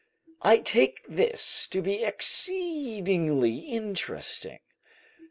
I take this to be exceedingly interesting.